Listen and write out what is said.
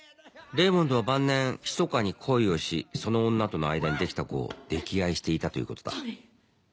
レイモンドは晩年ひそかに恋をしその女との間にできた子を溺愛していたということだ。